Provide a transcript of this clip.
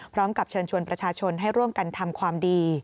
พร้อมกับเชิญชวนประชาชนให้ร่วมกันทำความดี